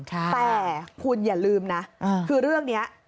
แต่คุณอย่าลืมนะคือเรื่องนี้